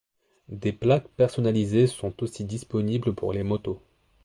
Des plaques personnalisées sont aussi disponibles pour les motos.